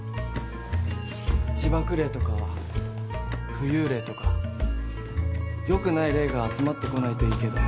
地縛霊とか浮遊霊とかよくない霊が集まってこないといいけど。